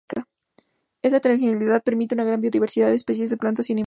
Esta heterogeneidad permite una gran biodiversidad de especies de plantas y animales.